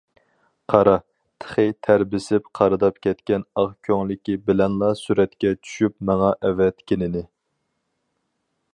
قارا، تېخى تەر بېسىپ قارىداپ كەتكەن ئاق كۆڭلىكى بىلەنلا سۈرەتكە چۈشۈپ ماڭا ئەۋەتكىنىنى.